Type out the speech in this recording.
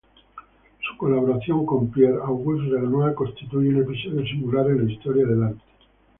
Su colaboración con Pierre-Auguste Renoir constituye un episodio singular en la historia del arte.